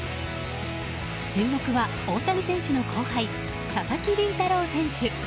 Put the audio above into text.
注目は大谷選手の後輩佐々木麟太郎選手。